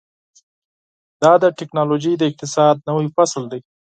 دا د ټیکنالوژۍ د اقتصاد نوی فصل دی.